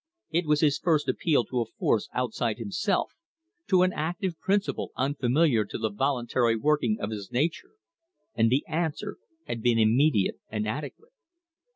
It was his first appeal to a force outside himself, to an active principle unfamiliar to the voluntary working of his nature, and the answer had been immediate and adequate.